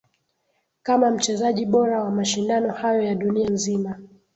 Kama mchezaji bora wa mashindano hayo ya duina nzima